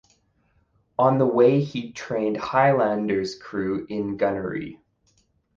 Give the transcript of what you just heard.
On the way he trained "Highlander"s crew in gunnery.